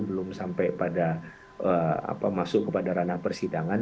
belum sampai pada masuk kepada ranah persidangan